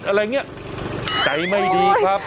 มืดอะไรเนี่ยใจไม่ดีครับ